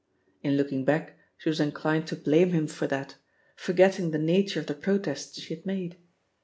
In looking back, she was inclined tQ blame him for that, forgetting the nature of the protests she had made.